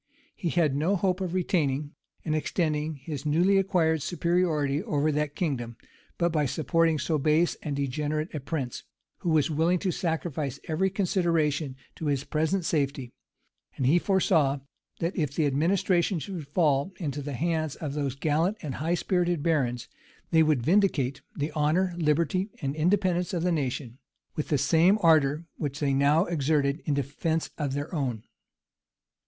He had no hopes of retaining and extending his newly acquired superiority over that kingdom, but by supporting so base and degenerate a prince, who was willing to sacrifice every consideration to his present safety: and he foresaw, that if the administration should fall into the hands of those gallant and high spirited barons, they would vindicate the honor, liberty, and independence of the nation, with the same ardor which they now exerted in defence of their own.